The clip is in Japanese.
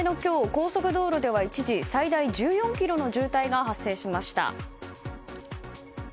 高速道路では、一時最大１４ｋｍの渋滞が発生しました。